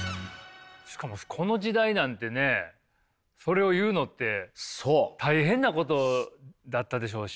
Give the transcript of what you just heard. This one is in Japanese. この時代なんてねそれを言うのって大変なことだったでしょうし。